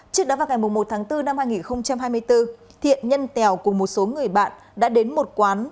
trước đó vào ngày một tháng bốn năm hai nghìn hai mươi bốn thiện nhân tèo cùng một số người bạn đã đến một quán